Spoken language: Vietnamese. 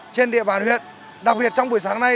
trên địa bàn huyện đặc biệt trong buổi sáng nay